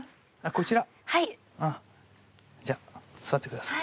じゃあ座ってください。